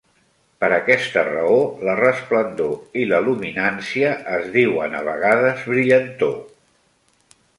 Per aquesta raó, la resplendor i la luminància es diuen a vegades "brillantor".